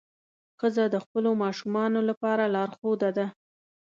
ښځه د خپلو ماشومانو لپاره لارښوده ده.